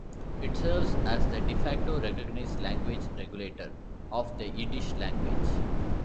It serves as the "de facto" recognized language regulator of the Yiddish language.